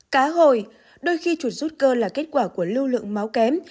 cá hồi đôi khi chuột suốt cơ là kết quả của lưu lượng máu kém